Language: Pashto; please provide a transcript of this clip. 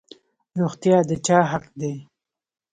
روغتیا د چا حق دی؟